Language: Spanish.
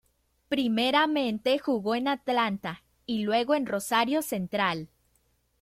Primeramente jugó en Atlanta, y luego en Rosario Central.